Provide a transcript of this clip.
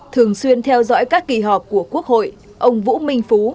thường xuyên theo dõi các kỳ họp của quốc hội ông vũ minh phú